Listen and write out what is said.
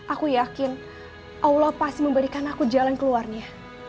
aku yakin allah pasti memberikan aku jalan keluarnya